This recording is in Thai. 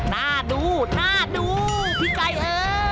น่าดูน่าดูพี่ไก่เออ